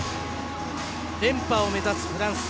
連覇を目指すフランス。